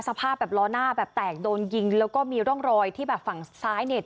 สภาพแบบล้อหน้าแบบแตกโดนยิงแล้วก็มีร่องรอยที่แบบฝั่งซ้ายเนี่ย